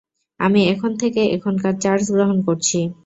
আমি এখন থেকে এখনকার চার্জ গ্রহন করছি।